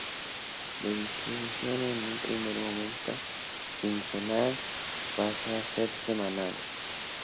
De distribución en un primer momento quincenal, que pasó a ser semanal.